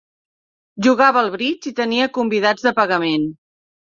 Jugava al bridge i tenia convidats de pagament.